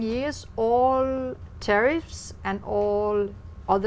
và bây giờ tôi nghĩ